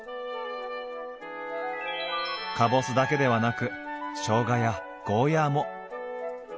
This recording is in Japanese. かぼすだけではなくしょうがやゴーヤーも。